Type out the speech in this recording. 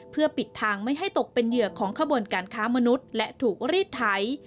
เพื่อปิดทางไม่ให้ตกเป็นเหยื่อของขบวนการค้ามนุษย์และถูกรีดไถ